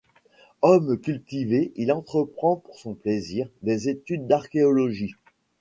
Homme cultivé, il entreprend, pour son plaisir, des études d'archéologie.